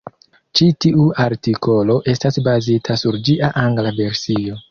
Ĉi tiu artikolo estas bazita sur ĝia angla versio.